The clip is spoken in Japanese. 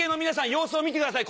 様子を見てください